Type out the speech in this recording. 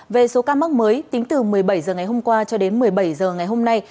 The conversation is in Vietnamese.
về số ca mắc mới tính từ một mươi bảy h ngày hôm qua cho đến một mươi bảy h ngày hôm nay